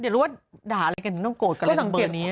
เดี๋ยวรู้ว่าด่าอะไรกันต้องโกรธกันเลยสังเกตนี้